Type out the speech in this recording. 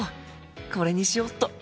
これにしよっと。